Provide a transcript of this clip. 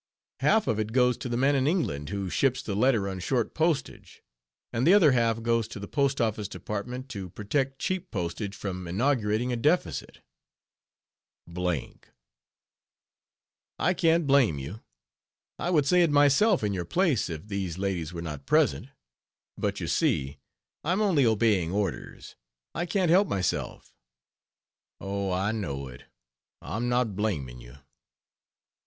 "Half of it goes to the man in England who ships the letter on short postage, and the other half goes to the P.O.D. to protect cheap postage from inaugurating a deficit." "" "I can't blame you; I would say it myself in your place, if these ladies were not present. But you see I'm only obeying orders, I can't help myself." "Oh, I know it; I'm not blaming you.